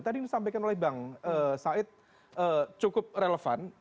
tadi disampaikan oleh bang said cukup relevan